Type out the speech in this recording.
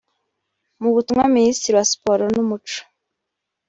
mu butumwa Minisitiri wa Siporo n’Umuco